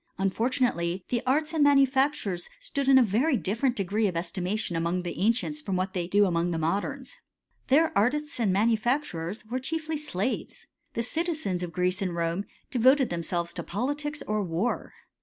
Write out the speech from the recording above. Unfortunately the arts a manufactures stood in a very different degree of ef mation among the ancients from what they do amo the modems. Their artists and manufacturers wi chiefly slaves. The citizens of Greece and Rome c voted themselves to politics or war.